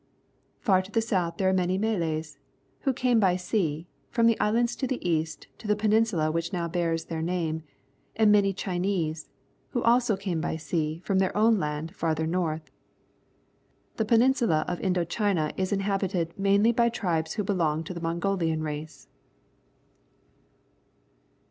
Farther south, there are many Malays, who came by sea, from islands to the east, to the peninsula which now bears their name, and many Chinese, who also came bj sea from their own land farther north. The peninsula of Indo China is inhabited mainly by tribes who belong to the Mongolian race.